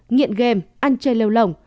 nghiện game ăn chơi lêu lồng